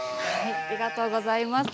ありがとうございます。